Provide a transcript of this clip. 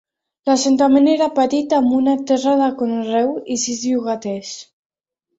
L'assentament era petit amb una terra de conreu i sis "llogaters".